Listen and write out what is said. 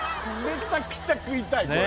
めちゃくちゃ食いたい